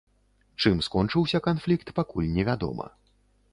Чым скончыўся канфлікт, пакуль невядома.